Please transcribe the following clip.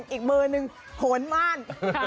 อีกมือนึงขนม่าน